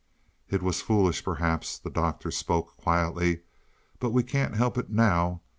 "It was foolish perhaps." The Doctor spoke quietly. "But we can't help it now.